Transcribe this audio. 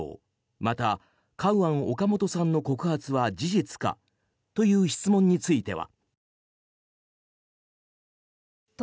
また、カウアン・オカモトさんの告発は事実かという質問については。